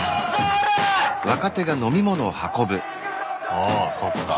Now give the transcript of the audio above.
ああそっか。